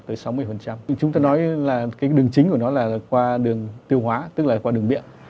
thì chúng ta nói là cái đường chính của nó là qua đường tiêu hoa tức là qua đường miệng